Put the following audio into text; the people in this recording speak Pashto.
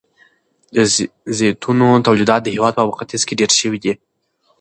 د زیتونو تولیدات د هیواد په ختیځ کې ډیر شوي دي.